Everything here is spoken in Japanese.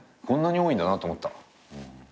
こんなに多いんだなって思った。